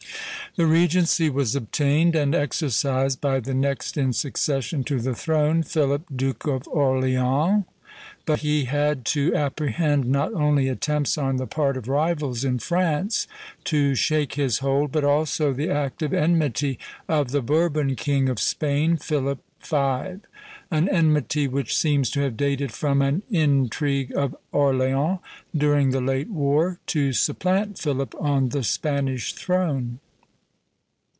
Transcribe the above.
The regency was obtained and exercised by the next in succession to the throne, Philip, Duke of Orleans; but he had to apprehend, not only attempts on the part of rivals in France to shake his hold, but also the active enmity of the Bourbon king of Spain, Philip V., an enmity which seems to have dated from an intrigue of Orleans, during the late war, to supplant Philip on the Spanish throne.